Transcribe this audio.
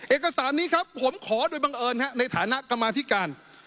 เอกสารนี้ครับผมขอโดยบังเอิญในฐานะกรรมาธิการ